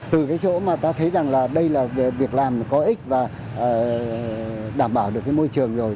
từ cái chỗ mà ta thấy rằng là đây là việc làm có ích và đảm bảo được cái môi trường rồi